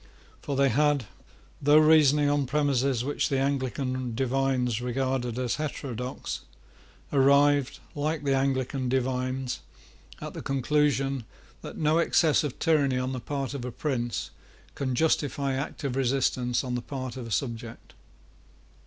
For they had, though reasoning on premises which the Anglican divines regarded as heterodox, arrived, like the Anglican divines, at the conclusion, that no excess of tyranny on the part of a prince can justify active resistance on the part of a subject.